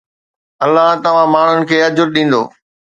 الله توهان ماڻهن کي اجر ڏيندو